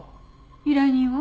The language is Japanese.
依頼人は？